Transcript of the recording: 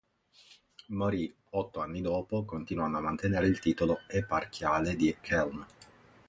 Morì otto anni dopo continuando a mantenere il titolo eparchiale di Chełm.